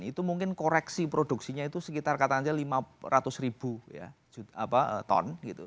itu mungkin koreksi produksinya itu sekitar katanya lima ratus ribu ton